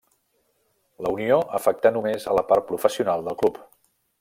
La unió afectà només a la part professional del club.